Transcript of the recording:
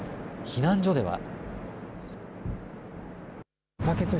避難所では。